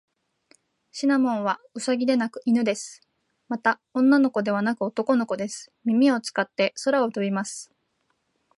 シナモンはウサギではなく犬です。また、女の子ではなく男の子です。耳を使って空を飛びます。